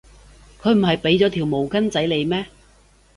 佢唔係畀咗條手巾仔你咩？